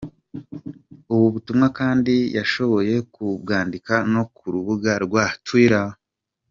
Ubu butumwa kandi yashoboye kubwandika no ku rubuga rwa twitter: